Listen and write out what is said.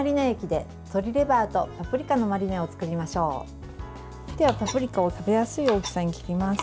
では、パプリカを食べやすい大きさに切ります。